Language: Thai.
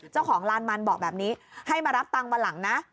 เจ้าของลานมันบอกแบบนี้ให้มารับตังค์วันหลังนะ